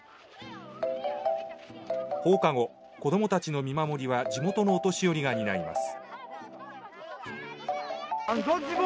放課後子どもたちの見守りは地元のお年寄りが担います。